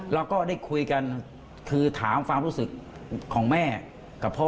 เราก็ได้คุยกันคือถามความรู้สึกของแม่กับพ่อ